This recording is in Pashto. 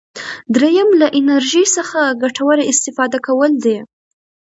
دریم له انرژي څخه ګټوره استفاده کول دي.